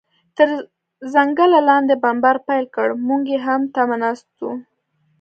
تر ځنګله لاندې بمبار پیل کړ، موږ یې هم تمه ناست و.